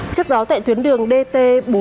trước đó tại tuyến đường dt bốn trăm chín mươi năm